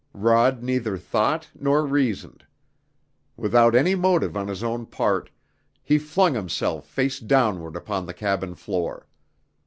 Rod neither thought nor reasoned; without any motive on his own part, he flung himself face downward upon the cabin floor.